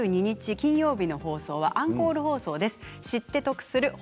金曜日の放送はアンコール放送です。